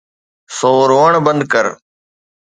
سو روئڻ بند ڪر.